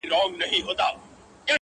فقير نه يمه سوالگر دي اموخته کړم ـ